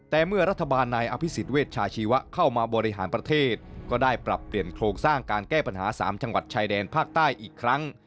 แต่เมื่อรัฐบาลนายอภิษฎเวชชาชีวะเข้ามาบริหารประเทศก็ได้ปรับเปลี่ยนโครงสร้างการแก้ปัญหา๓จังหวัดชายแดนภาคใต้อีกครั้ง